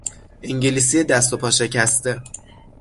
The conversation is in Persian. انگلیسی دست و پا شکسته